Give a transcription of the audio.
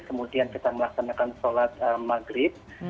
kemudian kita melaksanakan sholat maghrib